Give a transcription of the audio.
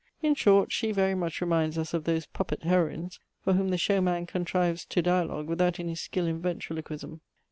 In short, she very much reminds us of those puppet heroines, for whom the showman contrives to dialogue without any skill in ventriloquism.